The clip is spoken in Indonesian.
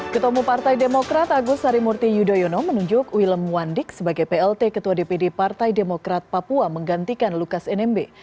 ketemu partai demokrat agus harimurti yudhoyono menunjuk wilem wandik sebagai plt ketua dpd partai demokrat papua menggantikan lukas nmb